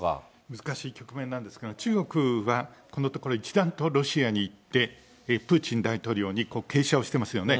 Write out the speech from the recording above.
難しい局面なんですが、中国は、このところ一段とロシアに行って、プーチン大統領に傾斜をしてますよね。